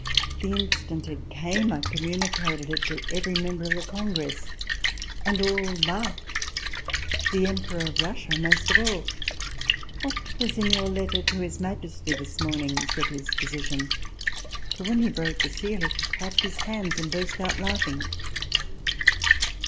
The instant it came I communicated it to every member of the Congress, and all laughed ; the Emperor of Russia most of all. " What was in your letter to his Majesty this morning," said his Physician ;" for when he broke the seal, he clapped his hands and burst out a laughing